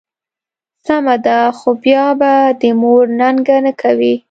سمه ده، خو بیا به د مور ننګه نه کوې.